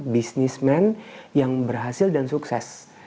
bisnismen yang berhasil dan sukses